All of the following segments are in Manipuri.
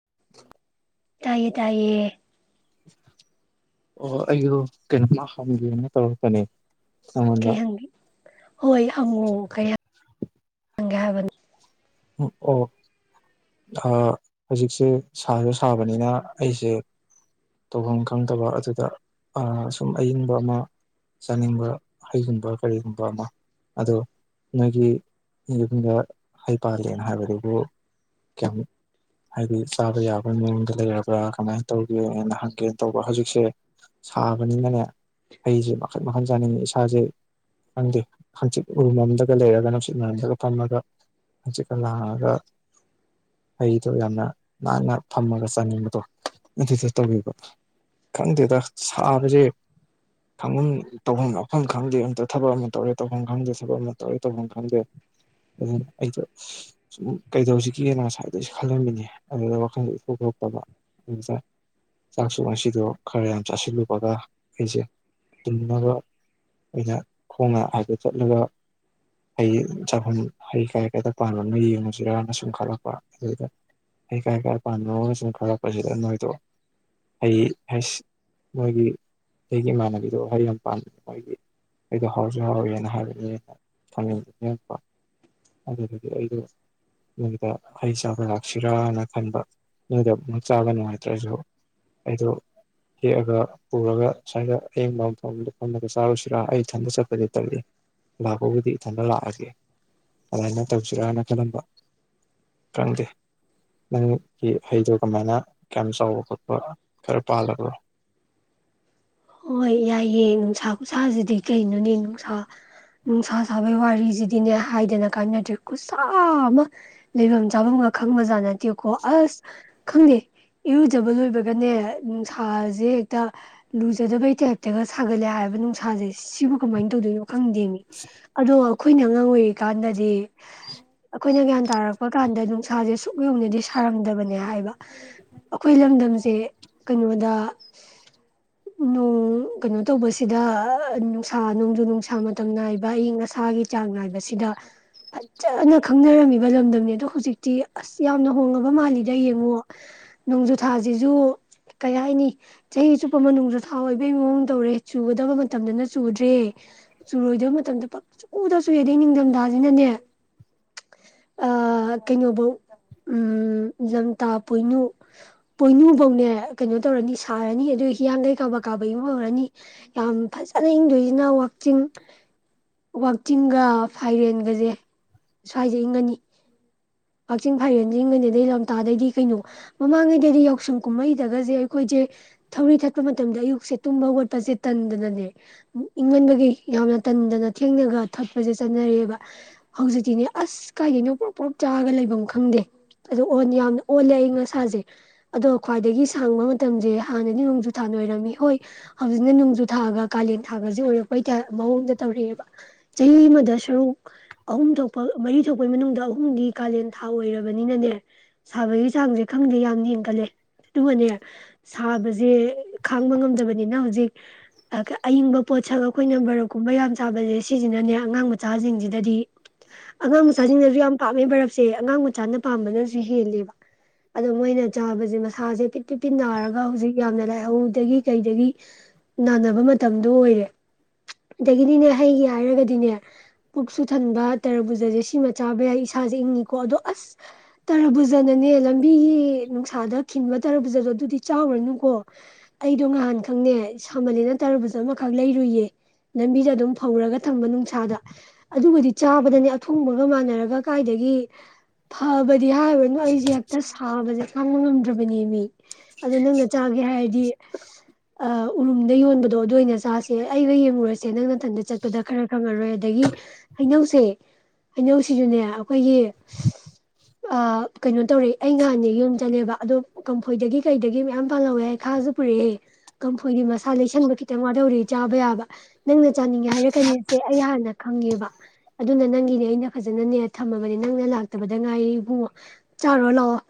[inaudible] ꯇꯥꯏꯌꯦ ꯇꯥꯏꯌꯦ ꯑꯣ ꯑꯩꯁꯨ ꯀꯩꯅꯣꯝꯃ ꯍꯪꯒꯦꯅ ꯇꯧꯔꯛꯄꯅꯤ ꯀꯩꯍꯪꯒꯤ ꯍꯣꯏ ꯍꯪꯉꯣ ꯀꯩꯪꯍꯡ ꯍꯪꯒꯦ ꯍꯥꯏꯕ ꯑꯣ ꯍꯧꯖꯤꯛꯁꯦ ꯁꯥꯁꯨ ꯁꯥꯕꯅꯤꯅ ꯑꯩꯁꯦ ꯇꯧꯐꯝ ꯈꯪꯗꯕ ꯑꯗꯨꯗ ꯁꯨꯝ ꯑꯏꯪꯕ ꯑꯃ ꯆꯥꯅꯤꯡꯕ ꯍꯩꯒꯨꯝꯕ ꯀꯔꯤꯒꯨꯝꯕ ꯑꯃ ꯑꯗꯣ ꯅꯣꯏꯒꯤ ꯌꯨꯝꯗ ꯍꯩ ꯄꯥꯜꯂꯦꯅ ꯍꯥꯏꯕꯗꯨꯕꯨ ꯀꯌꯥꯃꯨꯛ ꯍꯥꯏꯗꯤ ꯆꯥꯕ ꯌꯥꯕ ꯃꯑꯣꯡꯗ ꯂꯩꯔꯕ꯭ꯔꯥ ꯀꯃꯥꯏꯅ ꯇꯧꯒꯦꯅ ꯍꯪꯒꯦꯅ ꯇꯧꯕ ꯍꯧꯖꯤꯛꯁꯦ ꯁꯥꯕꯅꯤꯅꯅꯦ ꯍꯩꯁꯦ ꯃꯈꯜ ꯃꯈꯜ ꯆꯥꯅꯤꯡꯉꯦ ꯏꯁꯥꯁꯦ ꯈꯪꯗꯦ ꯍꯪꯆꯤꯠ ꯎꯔꯨꯝ ꯑꯃꯝꯗꯒ ꯂꯩꯔꯒ ꯅꯨꯡꯁꯤꯠ ꯃꯔꯝꯗꯒ ꯐꯝꯃꯒ ꯍꯪꯆꯤꯠꯀ ꯂꯥꯡꯉꯒ ꯍꯩꯗꯣ ꯌꯥꯝꯅ ꯅꯥꯟꯅ ꯐꯝꯃꯒ ꯆꯥꯅꯤꯡꯕꯗꯣ ꯑꯗꯨꯗꯣ ꯇꯧꯅꯤꯡꯕ ꯈꯪꯗꯦꯗ ꯁꯥꯕꯁꯦ ꯈꯪꯐꯝ ꯇꯧꯐꯝ ꯃꯐꯝ ꯈꯪꯗꯦ ꯑꯝꯇ ꯊꯕꯛ ꯑꯃ ꯇꯧꯔꯦ ꯇꯧꯐꯝ ꯈꯪꯗꯦ ꯊꯕꯛ ꯑꯃ ꯇꯧꯔꯦ ꯇꯧꯐꯝ ꯈꯪꯗꯦ ꯑꯗꯨꯅ ꯑꯩꯗꯣ ꯁꯨꯝ ꯀꯩꯗꯧꯁꯤꯒꯦꯅ ꯉꯁꯥꯏꯗꯩꯩ ꯈꯜꯂꯝꯃꯤꯅꯤ ꯑꯗꯨꯗ ꯋꯥꯈꯜꯗ ꯏꯊꯣꯛ ꯊꯣꯔꯛꯇꯕ ꯑꯗꯨꯇꯥ ꯆꯥꯛꯁꯨ ꯉꯁꯤꯗꯣ ꯈꯔ ꯌꯥꯝ ꯆꯥꯁꯤꯜꯂꯨꯕꯒ ꯑꯩꯁꯦ ꯇꯨꯝꯅꯕ ꯑ ꯑꯣꯏꯅ ꯈꯣꯡꯅ ꯍꯥꯏꯐꯠ ꯆꯠꯂꯒ ꯍꯩ ꯆꯥꯐꯝ ꯍꯩ ꯀꯥꯏ ꯀꯩꯗ ꯄꯥꯟꯕꯅꯣ ꯌꯦꯡꯉꯨꯁꯤꯔꯅ ꯁꯨꯝ ꯈꯠꯂꯛꯄ ꯑꯗꯨꯗ ꯍꯩ ꯀꯥꯏ ꯀꯥꯏ ꯄꯥꯟꯕꯅꯣ ꯁꯨꯝ ꯈꯜꯂꯛꯄꯁꯤꯗ ꯅꯣꯏꯗꯣ ꯍꯩ ꯍꯁ ꯅꯣꯏꯒꯤ ꯑꯩꯒꯤ ꯏꯃꯥꯟꯅꯕꯤꯗꯣ ꯍꯩ ꯌꯥꯝ ꯄꯥꯟꯕꯒꯤ ꯑꯩꯗꯣ ꯍꯥꯎꯁꯨ ꯍꯥꯎꯋꯦꯅ ꯍꯥꯏꯕꯅꯤ ꯈꯪꯅꯤꯡ ꯅꯤꯉꯛꯄ ꯑꯗꯨꯒꯤ ꯑꯩꯗꯨ ꯅꯣꯏꯗ ꯍꯩ ꯆꯥꯕ ꯂꯥꯛꯁꯤꯔꯥꯅ ꯈꯟꯕ ꯅꯣꯏꯗ ꯑꯃꯨꯛ ꯆꯥꯕ ꯅꯨꯡꯉꯥꯏꯇ꯭ꯔꯁꯨ ꯑꯩꯗꯣ ꯍꯦꯛꯑꯒ ꯄꯨꯔꯒ ꯁ꯭ꯋꯥꯏꯗ ꯑꯌꯤꯡꯕ ꯑꯃꯐꯝꯗ ꯐꯝꯂꯒ ꯆꯥꯔꯨꯁꯤꯔꯥ ꯑꯩ ꯏꯊꯟꯗ ꯆꯠꯄꯗꯤ ꯇꯜꯂꯤ ꯂꯥꯛꯄꯕꯨꯗꯤ ꯏꯊꯟꯗ ꯂꯥꯛꯑꯥꯒꯦ ꯑꯗꯨꯃꯥꯏꯅ ꯇꯧꯁꯤꯔꯅ ꯈꯜꯂꯝꯕ ꯈꯪꯗꯦ ꯅꯪꯒꯤ ꯍꯩꯗꯣ ꯀꯃꯥꯏꯅ ꯀꯌꯥꯝ ꯆꯥꯎꯕ ꯈꯣꯠꯄ ꯈꯔ ꯄꯥꯜꯂꯕꯔꯣ ꯍꯣꯏ ꯌꯥꯏꯌꯦ ꯅꯨꯡꯁꯥ ꯈꯨꯁꯥꯁꯤꯗꯤ ꯀꯩꯅꯣꯅꯦ ꯅꯨꯡꯁꯥ ꯅꯨꯡꯁꯥ ꯁꯥꯕꯩ ꯋꯥꯔꯤꯁꯤꯗꯤꯅꯦ ꯍꯥꯏꯗꯅ ꯀꯥꯟꯅꯗ꯭ꯔꯦ ꯈꯨꯠꯁꯥ ꯑꯃ ꯂꯩꯐꯝ ꯆꯥꯐꯝꯒ ꯈꯪꯕꯖꯥꯠ ꯅꯠ ꯇꯦ ꯀꯣ ꯑꯁ ꯈꯪꯗꯦ ꯏꯔꯨꯖꯕ ꯂꯣꯏꯕꯒꯅꯦ ꯅꯨꯡꯁꯥꯁꯦ ꯍꯦꯛꯇ ꯂꯨꯖꯥ ꯂꯨꯖꯗꯕꯩ ꯇꯥꯏꯞꯇꯒ ꯁꯥꯒꯠꯂꯦ ꯍꯥꯏꯕ ꯅꯨꯡꯁꯥꯁꯦ ꯁꯤꯕꯨ ꯀꯃꯥꯏ ꯇꯧꯗꯣꯏꯅꯣ ꯈꯪꯗꯦ ꯃꯤ ꯑꯗꯣ ꯑꯩꯈꯣꯏꯅ ꯑꯉꯥꯡ ꯑꯣꯏꯔꯤꯀꯥꯟꯗꯗꯤ ꯑꯩꯈꯣꯏꯅ ꯒꯌ꯭ꯥꯟ ꯇꯥꯔꯛꯄ ꯀꯥꯟꯗ ꯅꯨꯡꯁꯥꯁꯦ ꯁꯨꯛ ꯌꯧꯅꯗꯤ ꯁꯥꯔꯝꯗꯕꯅꯦ ꯍꯥꯏꯕ ꯑꯩꯈꯣꯏ ꯂꯝꯗꯝꯁꯦ ꯀꯩꯅꯣꯗ ꯅꯣꯡ ꯀꯩꯅꯣ ꯇꯧꯕꯁꯤꯗ ꯅꯨꯡꯁꯥ ꯅꯣꯡꯖꯨ ꯅꯨꯡꯁꯥ ꯃꯇꯝ ꯅꯥꯏꯕ ꯑꯏꯪ ꯑꯁꯥꯒꯤ ꯆꯥꯡ ꯅꯥꯏꯕꯁꯤꯗ ꯐꯖꯅ ꯈꯪꯅꯔꯝꯃꯤꯕ ꯂꯝꯗꯝꯅꯤ ꯑꯗꯣ ꯍꯧꯖꯤꯛꯇꯤ ꯑꯁ ꯌꯥꯝꯅ ꯍꯣꯡꯉꯕ ꯃꯥꯜꯂꯤꯗ ꯌꯦꯡꯉꯣ ꯅꯣꯡꯖꯨ ꯊꯥꯁꯤꯁꯨ ꯀꯩ ꯍꯥꯏꯅꯤ ꯆꯍꯤ ꯆꯨꯞ ꯆꯨꯞꯄꯃ ꯃꯅꯨꯡꯗ ꯊꯥ ꯑꯣꯏꯕꯩ ꯃꯑꯣꯡ ꯇꯧꯔꯦ ꯆꯨꯒꯗꯕ ꯃꯇꯝꯗꯅ ꯆꯨꯗ꯭ꯔꯦ ꯆꯨꯔꯣꯏꯗꯕ ꯃꯇꯝꯗ ꯄꯛꯆꯨꯗ ꯆꯨꯏ ꯑꯗꯩ ꯅꯤꯡꯊꯝꯊꯥꯁꯤꯅꯅꯦ ꯀꯩꯅꯣꯐꯧ ꯎꯝ ꯂꯝꯇꯥꯥ ꯄꯣꯏꯅꯨ ꯄꯣꯏꯅꯨꯕꯧꯅꯦ ꯀꯩꯅꯣ ꯇꯧꯔꯅꯤ ꯁꯥꯔꯅꯤ ꯑꯗꯨ ꯍꯤꯌꯥꯡꯒꯩ ꯀꯥꯕ ꯀꯥꯕ ꯏꯪꯕ ꯍꯧꯔꯅꯤ ꯌꯥꯝ ꯐꯖꯅ ꯏꯪꯗꯣꯏꯁꯤꯅ ꯋꯥꯛꯆꯤꯡ ꯋꯥꯛꯆꯤꯡꯒ ꯐꯥꯏꯔꯦꯟꯒꯁꯦ ꯁ꯭ꯋꯥꯏꯗ ꯏꯪꯉꯅꯤ ꯋꯥꯛꯆꯤꯡ ꯐꯥꯏꯔꯦꯟꯁꯦ ꯏꯪꯒꯅꯤ ꯑꯗꯩ ꯂꯝꯇꯥꯗꯩꯗꯤ ꯀꯩꯅꯣ ꯃꯃꯥꯡꯉꯩꯗꯩꯗꯤ ꯌꯥꯎꯁꯪ ꯀꯨꯝꯍꯩꯗꯒꯁꯦ ꯑꯩꯈꯣꯏꯁꯦ ꯊꯧꯔꯤ ꯊꯠ ꯊꯠꯄ ꯃꯇꯝꯗ ꯑꯌꯨꯛꯁꯦ ꯇꯨꯝꯕ ꯈꯣꯠꯄꯁꯦ ꯇꯟꯗꯅꯅꯦ ꯏꯪꯃꯟꯕꯒꯤ ꯌꯥꯝꯅ ꯇꯟꯗꯅ ꯊꯦꯡꯅꯒ ꯊꯠꯄꯁꯦ ꯆꯠꯅꯔꯤꯑꯕ ꯍꯧꯖꯤꯛꯇꯤꯅꯦ ꯑꯁ ꯀꯥꯏꯗꯅꯣ ꯄ꯭ꯔꯨꯞ ꯄ꯭ꯔꯨꯞ ꯆꯥꯔꯒ ꯂꯩꯐꯝ ꯈꯪꯗꯦ ꯑꯗꯣ ꯌꯥꯝꯅ ꯑꯣꯜꯂꯦ ꯑꯌꯪ ꯑꯁꯥꯁꯦ ꯑꯗꯣ ꯈ꯭ꯋꯥꯏꯗꯒꯤ ꯁꯥꯡꯕ ꯃꯇꯝꯁꯦ ꯍꯥꯟꯅꯗꯤ ꯅꯣꯡꯖꯨ ꯊꯥꯅ ꯑꯣꯏꯔꯝꯃꯤ ꯍꯣꯏ ꯍꯧꯖꯤꯛꯅ ꯅꯣꯡꯖꯨ ꯊꯥꯒ ꯀꯥꯂꯦꯟ ꯊꯥꯒꯁꯦ ꯑꯣꯏꯔꯛꯄꯩ ꯃꯑꯣꯡꯗ ꯇꯧꯔꯛꯑꯦꯕ ꯆꯍꯤ ꯑꯃꯗ ꯁꯔꯨꯛ ꯑꯍꯨꯝ ꯊꯣꯛꯄ ꯃꯔꯤ ꯊꯣꯛꯄꯩ ꯃꯅꯨꯡꯗ ꯑꯍꯨꯝꯗꯤ ꯀꯥꯂꯦꯟ ꯊꯥ ꯑꯣꯏꯔꯕꯅꯤꯅꯅꯦ ꯁꯥꯕꯒꯤ ꯆꯥꯡꯁꯦ ꯈꯪꯗꯦ ꯌꯥꯝ ꯌꯦꯡꯒꯠꯂꯦ ꯑꯗꯨꯒꯅꯦ ꯁꯥꯕꯁꯦ ꯈꯥꯡꯕ ꯉꯝꯗꯕꯅꯤꯅ ꯍꯧꯖꯤꯛ ꯑꯏꯪꯕ ꯄꯣꯠꯁꯛ ꯑꯩꯈꯣꯏꯅ ꯕꯔꯞꯀꯨꯝꯕ ꯌꯥꯝ ꯆꯥꯕꯁꯦ ꯁꯤꯁꯤꯅꯅꯦ ꯑꯉꯥꯡ ꯃꯆꯥꯁꯤꯡꯁꯤꯗꯗꯤ ꯑꯉꯥꯡ ꯃꯆꯥꯁꯤꯡꯅꯁꯨ ꯌꯥꯝ ꯄꯥꯝꯃꯦ ꯕꯔꯞꯁꯦ ꯑꯉꯥꯡ ꯃꯆꯥꯅ ꯄꯥꯝꯕꯅꯁꯨ ꯍꯦꯜꯂꯤꯕ ꯑꯗꯣ ꯃꯣꯏꯅ ꯆꯥꯕꯁꯦ ꯃꯁꯥꯁꯦ ꯄꯤ ꯄꯤꯄꯤꯟ ꯅꯥꯔꯒ ꯍꯧꯖꯤꯛ ꯌꯥꯝꯅ ꯂꯥꯏ ꯍꯧꯗꯒꯤ ꯀꯩꯗꯒꯤ ꯅꯥꯅꯕ ꯃꯇꯝꯗꯣ ꯑꯣꯏꯔꯦ ꯑꯗꯒꯤꯗꯤꯅꯦ ꯍꯩꯒꯦ ꯍꯥꯏꯔꯒꯗꯤꯅꯦ ꯄꯨꯛꯁꯨ ꯊꯟꯕ ꯇꯔꯕꯨꯖꯁꯦ ꯁꯤꯃ ꯆꯥꯕ ꯌꯥꯏ ꯏꯁꯥꯁꯦ ꯏꯪꯉꯤꯀꯣ ꯑꯗꯣ ꯑꯁ ꯇꯔꯕꯨꯖꯅꯅꯦ ꯂꯝ ꯃꯤꯒꯤ ꯅꯨꯡꯁꯥꯗ ꯈꯤꯟꯕ ꯇꯔꯕꯨꯖꯥꯗꯨ ꯑꯗꯨꯗꯤ ꯆꯥꯎꯔꯅꯨꯀꯣ ꯑꯩꯗꯣ ꯉꯍꯥꯟ ꯈꯪꯉꯦ ꯁꯃꯜꯂꯦꯅ ꯇꯔꯨꯕꯁꯨ ꯑꯃꯈꯛ ꯂꯩꯔꯨꯏꯌꯦ ꯂꯝꯕꯤꯗ ꯑꯗꯨꯝ ꯐꯧꯔꯒ ꯊꯝꯕ ꯅꯨꯡꯁꯥꯗ ꯑꯗꯨꯒꯕꯨꯗꯤ ꯆꯥꯕꯗꯅꯦ ꯑꯊꯨꯡꯕꯒ ꯃꯥꯟꯅꯔꯒ ꯀꯥꯏꯗꯒꯤ ꯐꯕꯗꯤ ꯍꯥꯏꯔꯨꯔꯥꯅꯨ ꯑꯩꯁꯦ ꯍꯦꯛꯇ ꯁꯥꯕꯁꯦ ꯈꯥꯡꯕ ꯉꯝꯗ꯭ꯔꯕ ꯑꯅꯤꯃꯤ ꯑꯗꯨ ꯅꯡ ꯆꯈꯔꯒꯥ ꯏꯍꯥꯏ ꯒꯤ ꯑ ꯎꯔꯨꯝꯗꯩ ꯌꯣꯟꯕꯗꯣ ꯑꯗꯨꯏ ꯑꯣꯏꯅ ꯆꯥꯁꯦ ꯑꯩꯒ ꯌꯦꯡꯉꯨꯔꯁꯦ ꯅꯪꯅ ꯃꯊꯟꯗ ꯆꯠꯄꯗ ꯈꯔ ꯈꯪꯉꯔꯣꯏ ꯑꯗꯒꯤ ꯍꯩꯅꯧꯁꯦ ꯍꯩꯅꯧꯁꯤꯁꯨꯅꯦ ꯑꯩꯈꯣꯏꯒꯤ ꯀꯩꯅꯣ ꯇꯧꯔꯑꯦ ꯑꯩ ꯅꯍꯥꯟꯅꯦ ꯌꯨꯝ ꯆꯠꯂꯦꯕ ꯑꯗꯣ ꯀꯝꯐꯣꯏꯗꯒꯤ ꯀꯩꯗꯒꯤ ꯃꯌꯥꯝ ꯄꯥꯜ ꯍꯧꯔꯦ ꯑꯩ ꯈꯥꯁꯨ ꯄꯨꯔꯛꯑꯦ ꯀꯝꯐꯣꯏꯗꯤ ꯃꯁꯥ ꯂꯩꯁꯟꯕ ꯈꯤꯇꯪ ꯋꯥꯗꯧꯔꯑꯦ ꯆꯥꯕ ꯌꯥꯕ ꯅꯪꯅ ꯆꯥꯅꯤꯡꯉꯦ ꯍꯥꯏꯔꯛꯀꯅꯤꯁꯦ ꯑꯩ ꯍꯥꯟꯅ ꯈꯪꯉꯦꯕ ꯑꯗꯨꯅ ꯅꯪꯒꯤꯅꯦ ꯑꯩꯅ ꯐꯖꯅꯅꯦ ꯊꯝꯃꯕꯅꯤ ꯅꯪꯅ ꯂꯥꯛꯇꯕꯗ ꯉꯥꯏꯔꯤ ꯏꯕꯨꯡꯉꯣ ꯆꯥꯔꯣ ꯂꯥꯛꯑꯣ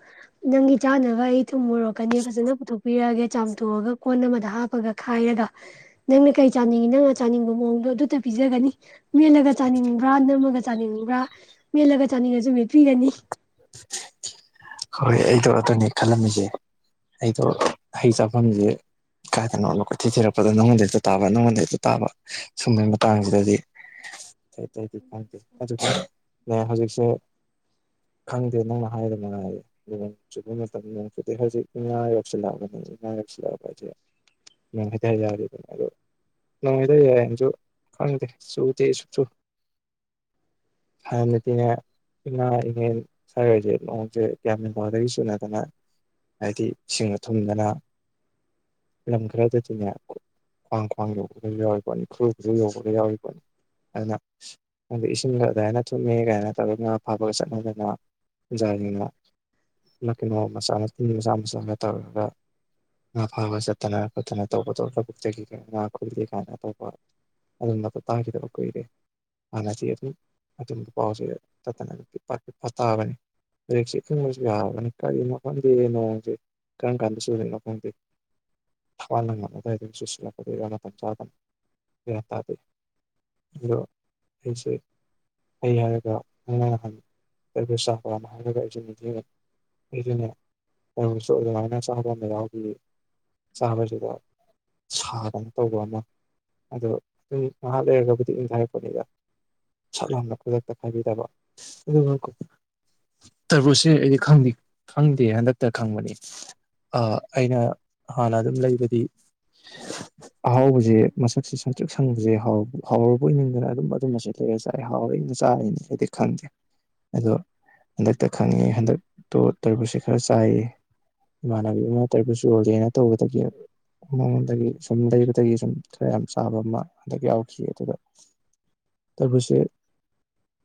ꯅꯪꯒꯤ ꯆꯥꯅꯕ ꯑꯩ ꯇꯨꯝꯃꯨꯔꯣꯛꯀꯅꯤ ꯐꯖꯅ ꯄꯨꯊꯣꯛꯄꯤꯔꯛꯑꯒꯦ ꯆꯥꯝꯊꯣꯛꯑꯒ ꯀꯣꯟ ꯑꯃ ꯍꯥꯞꯄꯒ ꯈꯥꯏꯔꯒ ꯅꯪꯅ ꯀꯩ ꯆꯥꯅꯤꯡꯉꯤ ꯅꯪꯅ ꯆꯥꯅꯤꯡꯕ ꯃꯑꯣꯡꯗꯣ ꯑꯗꯨꯇ ꯄꯤꯖꯒꯅꯤ ꯃꯦꯠꯂꯒ ꯆꯥꯅꯤꯡꯕ꯭ꯔꯥ ꯅꯝꯃꯒ ꯆꯥꯅꯤꯡꯕ꯭ꯔꯥ ꯃꯦꯠꯂꯒ ꯆꯥꯅꯤꯡꯉꯁꯨ ꯃꯦꯠꯄꯤꯒꯅꯤ ꯍꯣꯏ ꯑꯩꯗꯣ ꯑꯗꯨꯅꯦ ꯈꯜꯂꯝꯃꯤꯁꯦ ꯑꯩꯗꯣ ꯍꯩ ꯆꯥꯐꯝꯁꯦ ꯀꯥꯏꯗꯅꯣꯅ ꯀꯣꯏꯊꯤ ꯊꯤꯔꯛꯄꯗ ꯅꯉꯣꯟꯗ ꯍꯦꯛꯇꯥ ꯇꯥꯕ ꯅꯉꯣꯟꯗ ꯍꯦꯛꯇꯥ ꯇꯥꯕ ꯁꯨꯝꯕꯒꯤ ꯃꯇꯥꯡꯁꯤꯗꯗꯤ ꯑꯇꯩꯗꯤ ꯈꯪꯗꯦ ꯑꯗꯨ ꯍꯧꯖꯤꯛꯁꯦ ꯈꯪꯗꯦ ꯅꯪꯅ ꯍꯥꯏꯗꯅꯉꯥꯏꯌꯦ ꯅꯣꯡ ꯆꯨꯕ ꯃꯇꯝꯗ ꯅꯣꯡ ꯆꯨꯗꯦ ꯍꯧꯖꯤꯛ ꯏꯉꯥ ꯌꯧꯁꯤꯜꯂꯛꯑꯕꯅꯤ ꯏꯉꯥ ꯌꯧꯁꯤꯜꯂꯛꯑꯕ ꯍꯥꯏꯁꯦ ꯅꯣꯡ ꯍꯩꯗ ꯌꯥꯔꯦꯗꯅ ꯑꯗꯣ ꯅꯣꯡ ꯍꯩꯗ ꯌꯥꯏꯅꯁꯨ ꯈꯪꯗꯦ ꯆꯨꯗꯦ ꯁꯨꯡꯆꯨ ꯍꯥꯟꯅꯅꯗꯤꯅꯦ ꯏꯉꯥ ꯏꯉꯟ ꯁꯋꯥꯔꯣꯏꯁꯦ ꯅꯣꯡꯁꯦ ꯀꯌꯥꯝ ꯈꯣꯜꯗꯒꯤ ꯆꯨꯅꯗꯅ ꯍꯥꯏꯗꯤ ꯏꯁꯤꯡꯅ ꯊꯨꯝꯗꯅ ꯂꯝ ꯈꯔꯗꯗꯤꯅꯦ ꯈ꯭ꯋꯥꯡ ꯈ꯭ꯋꯥꯡ ꯌꯧꯕꯒ ꯌꯥꯎꯔꯤ ꯄꯣꯠꯅꯤ ꯈꯨ꯭ꯔꯨ ꯈꯨ꯭ꯔꯨ ꯌꯧꯕꯒ ꯌꯥꯎꯔꯤꯄꯣꯠꯅꯤ ꯑꯗꯨꯅ ꯏꯁꯤꯡꯗꯣ ꯑꯗꯨꯃꯥꯏꯅ ꯊꯨꯝꯃꯦ ꯀꯥꯏꯅ ꯇꯧꯔꯅ ꯉꯥ ꯐꯥꯕꯒ ꯆꯠꯅꯗꯅ ꯑꯣꯟꯖꯥꯁꯤꯡꯅ ꯀꯩꯅꯣ ꯃꯆꯥ ꯃꯄꯤꯟꯒꯤ ꯃꯆꯥ ꯃꯆꯥ ꯑꯃ ꯇꯧꯔꯒ ꯉꯥ ꯐꯥꯕ ꯆꯠꯇꯅ ꯈꯣꯠꯇꯅ ꯇꯧꯕꯗ ꯂꯧꯕꯨꯛꯇꯒꯤ ꯀ ꯉꯥ ꯈꯨꯠꯂꯦ ꯀꯥꯏꯅ ꯇꯧꯕ ꯑꯗꯨꯝꯕꯗꯨ ꯇꯥꯈꯤꯗꯕ ꯀꯨꯏꯔꯦ ꯍꯥꯟꯅꯗꯤ ꯑꯗꯨꯝ ꯑꯗꯨꯝꯕ ꯄꯥꯎꯁꯦ ꯇꯠꯇꯅ ꯑꯗꯨ ꯇꯥꯕꯅꯤ ꯍꯧꯖꯤꯛꯁꯦ [unintelligible] ꯁꯨ ꯌꯥꯔꯕꯅꯤ ꯀꯔꯤꯅꯣ ꯈꯪꯗꯦ ꯅꯣꯡꯁꯦ ꯀꯔꯝ ꯀꯥꯟꯗ ꯆꯨꯗꯣꯏꯅꯣ ꯈꯪꯗꯦ ꯊꯋꯥꯅꯉꯝꯅꯗꯥꯏꯗ ꯆꯨꯁꯤꯜꯂꯛꯀꯗꯣꯏꯔꯥ ꯃꯇꯝ ꯆꯥꯗꯅ ꯒꯌꯥꯟ ꯇꯥꯗꯦ ꯑꯗꯣ ꯑꯩꯁꯦ ꯑꯩ ꯍꯥꯏꯔꯒ [unintelligible] ꯆꯥꯕ ꯑꯃ ꯍꯥꯏꯔꯒ ꯑꯩꯁꯨ ꯅꯤꯡꯖꯉꯦ ꯑꯩꯗꯨꯅꯦ ꯀꯕꯨꯨꯁꯨ ꯑꯗꯨꯃꯥꯏꯅ ꯆꯥꯕ ꯑꯃ ꯌꯥꯎꯕꯤ ꯆꯥꯕꯁꯤꯗ ꯁꯥꯗꯅ ꯇꯧꯕ ꯑꯃ ꯑꯗꯣ ꯑꯗꯨ ꯉꯥꯏꯍꯥꯛ ꯂꯩꯔꯒꯕꯨꯗꯤ ꯑꯩꯅ ꯍꯥꯏꯔꯛꯄꯅꯤꯗ ꯁꯛ ꯌꯥꯝꯅ ꯈꯨꯗꯛꯇ ꯐꯈꯤꯗꯕ ꯇꯔꯕꯨꯁꯁꯦ ꯑꯩꯗꯤ ꯈꯪꯗꯦ ꯍꯟꯗꯛꯇ ꯈꯪꯕꯅꯤ ꯑꯩꯅ ꯍꯥꯟꯅ ꯑꯗꯨꯝ ꯂꯩꯕꯗꯤ ꯑꯍꯥꯎꯕꯁꯦ ꯃꯁꯛꯁꯦ ꯁꯪꯇ꯭ꯔꯤꯛ ꯁꯪꯕꯁꯦ ꯍꯥꯎꯔ ꯍꯥꯎꯔꯕꯣꯏ ꯅꯤꯡꯗꯅ ꯑꯗꯨꯝ ꯑꯗꯨꯝ ꯃꯁꯦꯠ ꯂꯩꯔꯒ ꯆꯥꯔꯤꯅꯤ ꯍꯥꯎꯔꯦꯅ ꯆꯥꯔꯤꯅꯤ ꯍꯥꯏꯗꯤ ꯈꯪꯗꯦ ꯑꯗꯣ ꯍꯟꯗꯛꯇ ꯈꯪꯉꯦ ꯍꯟꯗꯛꯇꯣ ꯇꯔꯕꯨꯨꯁꯁꯦ ꯈꯔ ꯆꯥꯏꯌꯦ ꯏꯃꯥꯟꯅꯕꯤ ꯑꯃ ꯇꯔꯕꯨꯨꯁ ꯌꯣꯜꯂꯦꯅ ꯇꯧꯕꯗꯒꯤ ꯃꯉꯣꯟꯗꯒꯤ ꯁꯨꯝ ꯂꯩꯕꯗꯒꯤ ꯁꯨꯝ ꯌꯥꯝ ꯆꯥꯕ ꯑꯃ ꯍꯟꯗꯛ ꯌꯥꯎꯈꯤ ꯑꯗꯨꯗ ꯇꫪꯕꯨꯁꯁꯦ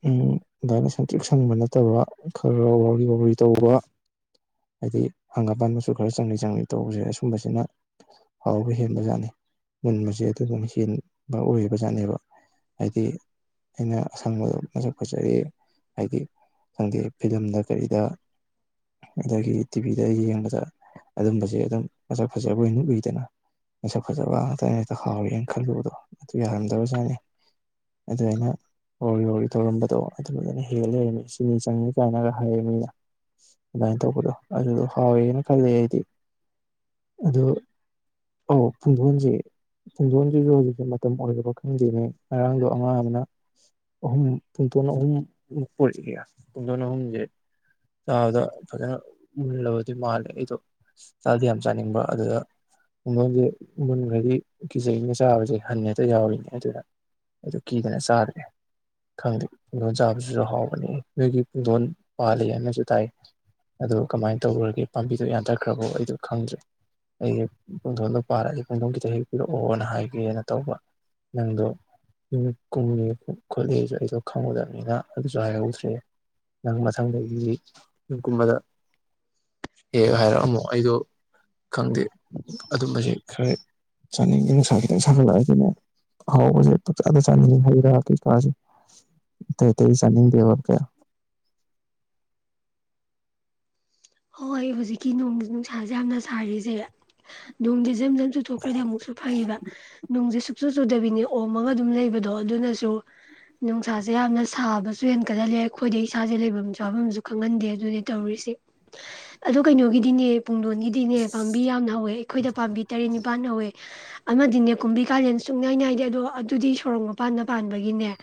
ꯎꯝ ꯑꯗꯨꯃꯥꯏꯅ ꯁꯪꯕ ꯅꯠꯇꯕ ꯈꯔ ꯈꯔ ꯋꯥꯎꯔꯤ ꯋꯥꯎꯔꯤ ꯇꯧꯕ ꯍꯥꯏꯗꯤ ꯍꯪꯒꯄꯥꯟ ꯃꯆꯨ ꯈꯔ ꯆꯪꯅꯤ ꯆꯪꯅꯤ ꯇꯧꯕꯁꯦ ꯑꯁꯨꯝꯕꯁꯤꯅ ꯍꯥꯎꯕ ꯍꯦꯟꯕꯖꯥꯠꯅꯤ ꯃꯨꯟꯕꯁꯦ ꯑꯗꯨ ꯑꯗꯨꯝ ꯍꯦꯟꯕ ꯑꯣꯏꯕꯖꯥꯠꯅꯦꯕ ꯍꯥꯏꯗꯤ ꯑꯩꯅ ꯑꯁꯪꯕꯗ ꯃꯁꯛ ꯐꯖꯩ ꯍꯥꯏꯗꯤ ꯈꯪꯗꯦ ꯐꯤꯂꯝꯗ ꯀꯔꯤꯗ ꯑꯗꯒꯤ ꯇꯤꯚꯤꯗ ꯌꯦꯡꯕꯗ ꯑꯗꯨꯝꯕꯁꯦ ꯑꯗꯨꯝ ꯃꯁꯛ ꯐꯖꯕ ꯑꯣꯏꯅꯥ ꯎꯏꯗꯅ ꯃꯁꯛ ꯐꯖꯕ ꯉꯛꯇꯅ ꯍꯦꯛꯇꯥ ꯍꯥꯎꯋꯦꯅ ꯈꯜꯂꯨꯕꯗꯣ ꯑꯗꯨ ꯌꯥꯔꯝꯗꯕꯖꯠꯅꯤ ꯑꯗꯨ ꯑꯩꯅ ꯋꯥꯎꯔꯤ ꯋꯥꯎꯔꯤ ꯇꯧꯔꯝꯕꯗꯣ ꯑꯗꯨꯗꯅꯤ ꯍꯦꯜ ꯂꯩꯔꯝꯃꯤ ꯆꯤꯅꯤ ꯆꯪꯅꯤ ꯀꯥꯏꯅꯒ ꯍꯥꯏꯌꯦ ꯃꯤꯅ ꯑꯗꯨꯃꯥꯏꯅ ꯇꯧꯕꯗꯣ ꯑꯗꯨꯗꯣ ꯍꯥꯎꯋꯦꯅ ꯈꯜꯂꯦ ꯑꯩꯗꯤ ꯑꯗꯨ ꯑꯧ ꯐꯨꯡꯗꯣꯟꯁꯤ ꯐꯨꯡꯗꯣꯟꯁꯤꯁꯨ ꯍꯧꯖꯤꯛꯁꯦ ꯃꯇꯝ ꯑꯣꯏꯗꯕ ꯈꯪꯗꯦꯅꯦ ꯉꯔꯥꯡꯗꯣ ꯑꯉꯥꯡ ꯑꯃꯅ ꯑꯍꯨꯝ ꯄꯨꯡꯇꯣꯟ ꯑꯍꯨꯝ [unintelligible] ꯄꯨꯡꯗꯣꯟ ꯑꯍꯨꯝꯁꯦ ꯆꯥꯕꯗ ꯐꯖꯅ ꯃꯨꯜꯂꯕꯗꯤ ꯃꯥꯜꯂꯦ ꯑꯩꯗꯣ ꯆꯥꯗꯤ ꯌꯥꯝ ꯆꯥꯅꯤꯡꯕ ꯑꯗꯨꯗ ꯄꯨꯡꯗꯣꯟꯁꯦ ꯃꯨꯟꯈ꯭ꯔꯗꯤ ꯀꯤꯖꯩꯅ ꯆꯥꯕꯁꯦ ꯍꯟꯅ ꯍꯦꯛꯇ ꯌꯥꯎꯔꯤꯅꯦ ꯑꯗꯨꯅ ꯑꯩꯗꯣ ꯀꯤꯗꯅ ꯆꯥꯗꯦ ꯈꯪꯗꯦ ꯈꯨꯡꯗꯣꯟ ꯆꯥꯕꯁꯨ ꯍꯥꯎꯕꯅꯦ ꯅꯣꯏꯗꯤ ꯄꯨꯡꯗꯣꯟ ꯄꯥꯜꯂꯤꯅꯁꯨ ꯇꯥꯏ ꯑꯗꯣ ꯀꯃꯥꯏꯅ ꯇꯧꯔꯒꯦ ꯄꯥꯝꯕꯤꯗꯨ ꯌꯥꯟꯊꯠ ꯈꯔꯕꯣ ꯑꯩꯗꯣ ꯈꯪꯗ꯭ꯔꯦ ꯑꯩ ꯍꯦꯛ ꯄꯨꯡꯗꯣꯟꯗꯣ ꯄꯥꯜꯂꯥꯗꯤ ꯑꯩ ꯄꯨꯡꯗꯣꯟ ꯈꯤꯇ ꯍꯦꯛ ꯄꯤꯔꯛꯑꯣꯅ ꯍꯥꯏꯒꯦꯅ ꯇꯧꯕ ꯅꯪꯗꯣ ꯌꯨꯝ ꯀꯨꯝꯃꯦ ꯈꯣꯠꯂꯁꯨ ꯑꯩꯗꯣ ꯈꯪꯉꯨꯗꯕꯅꯤꯅ ꯑꯗꯨꯁꯨ ꯍꯥꯏꯍꯧꯗ꯭ꯔꯦ ꯅꯪ ꯃꯊꯪꯗꯒꯤꯗꯤ ꯌꯨꯝ ꯀꯨꯝꯕꯗ ꯑꯦ ꯍꯥꯏꯔꯛꯑꯝꯃꯨ ꯑꯩꯗꯣ ꯈꯪꯗꯦ ꯑꯗꯨꯝꯕꯁꯦ ꯈꯔ ꯆꯥꯅꯤꯡꯗꯦ ꯅꯨꯡꯁꯥ ꯈꯤꯇꯪ ꯁꯥꯐꯠꯂꯛꯑꯦ ꯑꯗꯨꯅ ꯑꯍꯥꯎꯕꯁꯦ ꯄꯥꯛ ꯆꯥꯗ ꯆꯥꯅꯤꯡꯉꯤ ꯍꯩꯒꯔꯥ ꯀꯩꯀꯥꯁꯦ ꯆꯥꯅꯤꯡꯗꯦꯕꯥ ꯀꯌꯥ ꯍꯣꯏ ꯍꯧꯖꯤꯛꯀꯤ ꯅꯨꯡꯁꯥꯁꯦ ꯌꯥꯝꯅ ꯁꯥꯔꯤꯁꯦ ꯅꯣꯡꯁꯦ ꯖꯝ ꯖꯝ ꯆꯨꯊꯣꯛꯈ꯭ꯔꯗꯤ ꯑꯃꯨꯛꯁꯨ ꯐꯩꯌꯦꯕ ꯅꯣꯡꯁꯦ ꯆꯨ ꯆꯨꯗꯕꯤꯅꯤ ꯑꯣꯝꯃꯒ ꯑꯗꯨꯝ ꯂꯩꯕꯗꯣ ꯑꯗꯨꯅꯁꯨ ꯅꯨꯡꯁꯥꯁꯦ ꯌꯥꯝꯅ ꯁꯥꯕꯁꯨ ꯍꯦꯟ ꯀꯠꯍꯜꯂꯦ ꯑꯩꯈꯣꯏꯗ ꯏꯁꯥꯁꯦ ꯂꯩꯐꯝ ꯆꯥꯐꯝꯁꯨ ꯈꯪꯍꯟꯗꯦ ꯑꯗꯨꯅꯤ ꯇꯧꯔꯤꯁꯦ ꯑꯗꯣ ꯀꯩꯅꯣꯒꯤꯗꯤꯅꯦ ꯄꯨꯡꯗꯣꯟꯒꯤꯗꯤꯅꯦ ꯄꯥꯝꯕꯤ ꯌꯥꯝꯅ ꯍꯧꯋꯦ ꯑꯩꯈꯣꯏꯗ ꯄꯥꯝꯕꯤ ꯇꯔꯦꯠ ꯅꯤꯄꯥꯥꯟ ꯍꯧꯋꯦ ꯑꯃꯗꯤꯅꯦ ꯀꯨꯝꯕꯤ ꯀꯥꯂꯦꯟ ꯁꯨꯨꯡꯅꯥꯏ ꯅꯥꯏꯗꯦ ꯑꯗꯣ ꯑꯗꯨꯗꯤ ꯁꯣꯔꯣꯛ ꯃꯄꯥꯟꯗ ꯄꯥꯟꯕꯒꯤꯅꯦ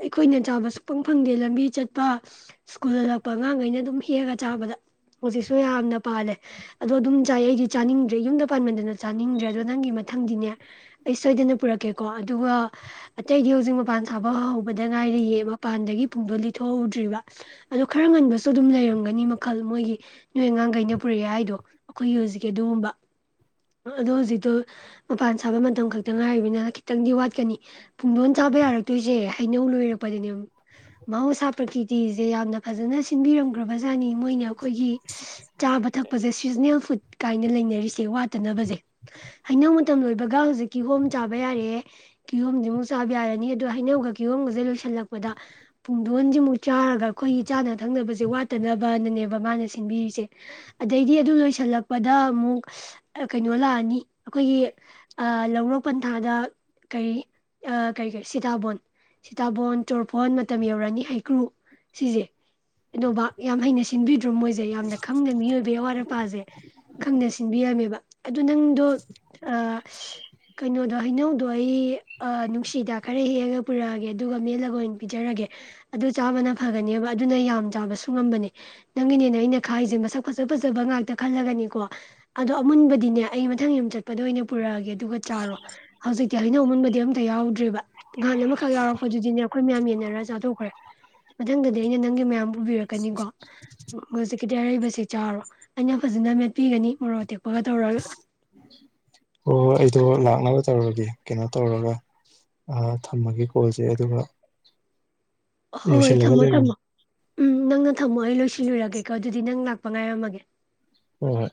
ꯑꯩꯈꯣꯏꯅ ꯆꯥꯕ ꯁꯨꯛꯐꯡ ꯐꯪꯗꯦ ꯂꯝꯕꯤ ꯆꯠꯄ ꯁ꯭ꯀꯨꯜꯗ ꯍꯜꯂꯛꯄ ꯑꯉꯥꯡꯈꯩꯅ ꯑꯗꯨꯝ ꯍꯦꯛꯑꯒ ꯆꯥꯕꯗ ꯍꯧꯖꯤꯛꯁꯨ ꯌꯥꯝꯅ ꯄꯥꯜꯂꯦ ꯑꯗꯣ ꯑꯗꯨꯝ ꯆꯥꯏ ꯑꯩꯗꯤ ꯆꯥꯅꯤꯡꯗ꯭ꯔꯦ ꯌꯨꯝꯗ ꯄꯥꯟꯃꯟꯗꯅ ꯆꯥꯅꯤꯡꯗ꯭ꯔꯦ ꯑꯗꯣ ꯅꯪꯒꯤ ꯃꯊꯪꯗꯤꯅꯦ ꯑꯩ ꯁꯣꯏꯗꯅ ꯄꯨꯔꯛꯀꯦꯀꯣ ꯑꯗꯨꯒ ꯑꯇꯩꯗꯤ ꯍꯧꯖꯤꯛ ꯃꯄꯥꯟ ꯁꯥꯕ ꯍꯧꯕꯗ ꯉꯥꯏꯔꯤꯌꯦ ꯃꯄꯥꯟꯗꯒꯤ ꯄꯨꯡꯗꯣꯟ ꯂꯤꯊꯣꯛꯍꯧꯗ꯭ꯔꯤꯕ ꯑꯗꯣ ꯈꯔ ꯉꯟꯕꯁꯨ ꯑꯗꯨꯝ ꯂꯩꯔꯝ ꯃꯈꯜ ꯃꯣꯏꯒ ꯅꯣꯏ ꯑꯉꯥꯡꯒꯩꯅ ꯄꯨꯔꯛꯑꯦ ꯍꯥꯏꯗꯣ ꯑꯩꯈꯣꯏꯒꯤ ꯍꯧꯖꯤꯛ ꯑꯗꯨꯒ ꯑꯗꯣ ꯍꯧꯖꯤꯛꯇꯣ ꯃꯄꯥꯟ ꯁꯥꯕ ꯃꯇꯝ ꯈꯛꯇ ꯉꯥꯏꯔꯤꯕꯅꯤꯅ ꯈꯤꯇꯪꯗꯤ ꯋꯥꯠꯀꯅꯤ ꯐꯨꯡꯗꯣꯟ ꯆꯥꯕ ꯌꯥꯔꯛꯇꯣꯏꯁꯦ ꯍꯩꯅꯧ ꯂꯣꯏꯔꯛꯄꯗꯅꯦ ꯃꯍꯧꯁꯥ ꯄ꯭ꯔꯀꯤꯇꯤꯁꯦ ꯌꯥꯝꯅ ꯐꯖꯅ ꯁꯤꯟꯕꯤꯔꯝ ꯖꯥꯅꯤ ꯃꯣꯏꯅ ꯑꯩꯈꯣꯏꯒꯤ ꯆꯥꯕ ꯊꯛꯄꯁꯦ ꯁꯤꯖꯅꯦꯜ ꯀꯥꯏꯅ ꯂꯩꯅꯔꯤꯁꯦ ꯋꯥꯠꯇꯅꯕꯁꯦ ꯍꯩꯅꯧ ꯃꯇꯝ ꯂꯣꯏꯕꯒ ꯍꯧꯖꯤꯛ ꯀꯤꯍꯣꯝ ꯆꯥꯕ ꯌꯥꯔꯛꯑꯦ ꯀꯤꯍꯣꯝꯁꯤꯃꯨꯛ ꯆꯥꯕ ꯌꯥꯔꯅꯤ ꯑꯗꯨ ꯍꯩꯅꯧꯒ ꯀꯤꯍꯣꯝꯒꯁꯦ ꯂꯣꯏꯁꯤꯜꯂꯛꯄꯗ ꯄꯨꯡꯗꯣꯟꯁꯤꯃꯨꯛ ꯆꯥꯔꯒ ꯑꯩꯈꯣꯏꯒꯤ ꯆꯥꯅ ꯊꯛꯅꯕꯁꯦ ꯇꯅꯕꯅꯅꯦꯕ ꯃꯥꯅ ꯁꯤꯟꯕꯤꯔꯤꯁꯦ ꯑꯗꯩꯗꯤ ꯑꯗꯨ ꯂꯣꯏꯁꯜꯂꯛꯄꯗ ꯑꯃꯨꯛ ꯀꯩꯅꯣ ꯂꯥꯛꯑꯅꯤ ꯑꯩꯈꯣꯏꯒꯤ ꯂꯧꯔꯣꯛ ꯄꯟꯊꯥꯗ ꯀꯔꯤ ꯀꯔꯤ ꯀꯔꯤ ꯁꯤꯇꯥꯕꯣꯟ ꯁꯤꯇꯥꯕꯣꯟ ꯆꯣꯔꯐꯣꯟ ꯃꯇꯝ ꯌꯧꯔꯅꯤ ꯍꯩꯀ꯭ꯔꯨ ꯁꯤꯁꯦ ꯅꯣꯕꯥꯞ ꯌꯥꯝ ꯍꯩꯅ ꯁꯤꯟꯕꯤ ꯃꯣꯏꯁꯦ ꯌꯥꯝꯅ ꯈꯪꯗꯦ ꯃꯤꯑꯣꯏꯕ ꯑꯋꯥꯠ ꯑꯄꯥꯁꯦ ꯈꯪꯅꯥ ꯁꯤꯟꯕꯤꯔꯝꯃꯦꯕꯥ ꯑꯗꯨ ꯅꯪꯗꯣ ꯑ ꯀꯩꯅꯣꯗꯣ ꯍꯩꯅꯧꯗꯣ ꯑꯩ ꯅꯨꯡꯁꯤ ꯍꯤꯗꯥꯛ ꯈꯔꯥ ꯍꯦꯛ ꯑꯒ ꯄꯨꯔꯛ ꯑꯒꯦ ꯑꯗꯨꯒ ꯃꯦꯠꯂꯒ ꯑꯣꯏꯅꯥ ꯄꯤꯖꯔꯒꯦ ꯑꯗꯨ ꯆꯕꯅꯥ ꯐꯒꯅꯦꯕꯥ ꯑꯗꯨꯅ ꯌꯥꯝ ꯆꯥꯕꯁꯨ ꯉꯝꯕꯅꯦ ꯅꯪꯒꯤꯅꯦꯅꯦ ꯑꯩꯅ ꯈꯥꯛꯏꯁꯦ ꯃꯁꯛ ꯐꯖ ꯐꯖꯕ ꯉꯥꯛꯇ ꯈꯜꯂꯒꯅꯤꯀꯣ ꯑꯗꯣ ꯑꯃꯨꯟꯕꯗꯤꯅꯦ ꯑꯩ ꯃꯊꯪ ꯌꯨꯝ ꯆꯠꯄꯗ ꯑꯣꯏꯅ ꯄꯨꯔꯛꯑꯒꯦ ꯑꯗꯨꯒ ꯆꯥꯔꯣ ꯍꯧꯖꯤꯛꯇꯤ ꯑꯩꯅ ꯑꯃꯨꯟꯕꯗꯤ ꯑꯝꯇ ꯌꯥꯎꯗ꯭ꯔꯦꯕ ꯉꯍꯥꯟ ꯑꯃꯈꯛ ꯌꯥꯎꯔꯛꯄꯗꯨꯗꯤꯅꯦ ꯑꯩꯈꯣꯏ ꯃꯌꯥꯝ ꯌꯦꯟꯅꯔ ꯆꯥꯊꯣꯛꯈ꯭ꯔꯦ ꯃꯊꯪꯗꯗꯤ ꯑꯩꯅ ꯅꯪꯒꯤ ꯃꯌꯥꯝ ꯄꯨꯕꯤꯔꯛ ꯀꯅꯤꯀꯣ ꯎ ꯍꯧꯖꯤꯛꯀꯤꯗꯤ ꯑꯔꯩꯕꯕꯁꯤ ꯆꯥꯎꯔꯣ ꯑꯩꯅ ꯐꯖꯅ ꯃꯦꯠꯄꯤꯒꯅꯤ ꯃꯣꯔꯣꯇꯦꯛ ꯑꯣ ꯑꯩꯗꯣ ꯂꯥꯛꯅꯕ ꯇꯧꯔꯒꯦ ꯀꯩꯅꯣ ꯇꯧꯔꯒ ꯊꯝꯃꯒꯦ ꯀꯣꯜꯁꯦ ꯑꯗꯨꯒ ꯍꯣꯏ ꯍꯣꯏ ꯂꯣꯏꯁꯤꯜꯂꯒ ꯊꯝꯃꯣ ꯂꯩꯔꯝꯃꯣ ꯊꯝꯃꯣ ꯎꯝ ꯅꯪꯅ ꯊꯝꯃꯣ ꯑꯩ ꯂꯣꯏꯁꯤꯜꯂꯨꯔꯒꯦꯀꯣ ꯑꯗꯨꯗꯤ ꯅꯪ ꯂꯥꯛ ꯄꯪꯉꯥꯏꯔꯝꯃꯒꯦ ꯍꯣꯏ ꯍꯣꯏ